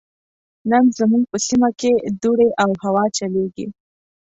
نن زموږ په سيمه کې دوړې او هوا چليږي.